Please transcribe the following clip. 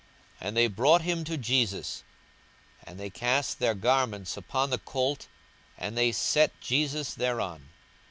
42:019:035 And they brought him to Jesus: and they cast their garments upon the colt, and they set Jesus thereon.